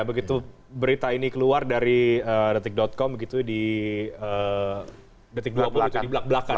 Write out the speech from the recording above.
begitu berita ini keluar dari detik com begitu di detik dua puluh itu di belak belakan